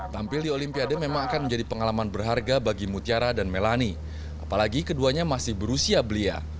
tampil di olimpiade memang akan menjadi pengalaman berharga bagi mutiara dan melani apalagi keduanya masih berusia belia